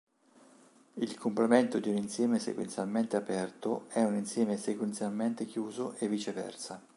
Il complemento di un insieme sequenzialmente aperto è un insieme sequenzialmente chiuso, e vice-versa.